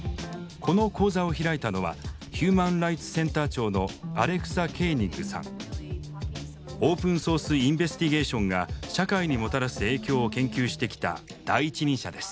この講座を開いたのはオープンソース・インベスティゲーションが社会にもたらす影響を研究してきた第一人者です。